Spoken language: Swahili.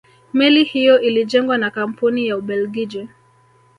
meli hiyo ilijengwa na kampuni ya ubelgiji